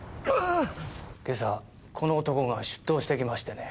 今朝この男が出頭してきましてね。